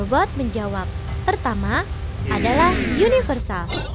robot menjawab pertama adalah universal